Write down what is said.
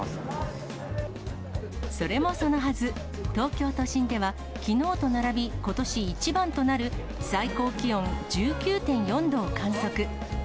それもそのはず、東京都心ではきのうと並び、ことし一番となる最高気温１９．４度を観測。